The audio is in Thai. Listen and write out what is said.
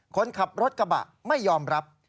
คนขับรถกระบะไม่ยอมรับ